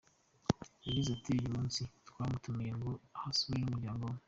Yagize ati “Uyu munsi twamutumiye ngo ahasure n’umuryango we.